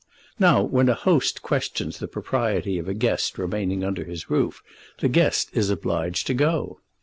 Now, when a host questions the propriety of a guest remaining under his roof, the guest is obliged to go.